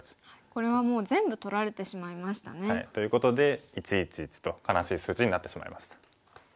これはもう全部取られてしまいましたね。ということで１１１と悲しい数値になってしまいました。